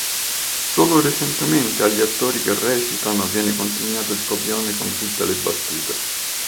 Solo recentemente agli attori che recitano viene consegnato il copione con tutte le battute.